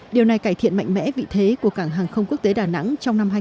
điều này cải thiện mạnh mẽ vị thế của cảng hàng không quốc tế đà nẵng trong năm hai nghìn hai mươi